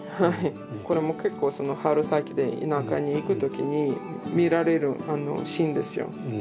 これも結構春先で田舎に行く時に見られるシーンですよ。